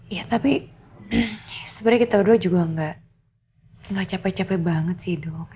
iya tapi sebenarnya kita berdua juga nggak capek capek banget sih dok